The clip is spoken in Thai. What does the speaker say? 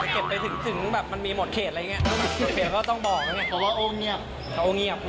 เก็บไปถึงสิ่งแบบมันมีหมดเขตอะไรอย่างนี้